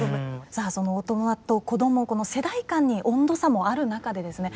さあ、その大人と子どもこの世代間に温度差もある中でですね